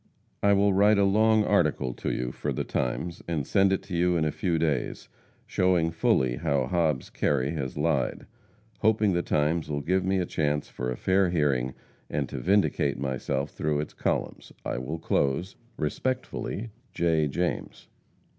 I will write a long article to you for the Times, and send it to you in a few days, showing fully how Hobbs Kerry has lied. Hoping the Times will give me a chance for a fair hearing and to vindicate myself through its columns, I will close, Respectfully, J. JAMES.